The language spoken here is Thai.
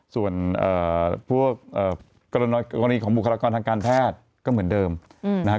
ส่วนพวกกรณีของบุคลากรทางการแพทย์ก็เหมือนเดิมนะครับ